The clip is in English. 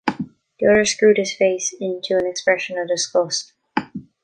The other screwed his face into an expression of disgust.